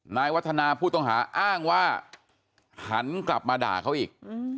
นายวัฒนาผู้ต้องหาอ้างว่าหันกลับมาด่าเขาอีก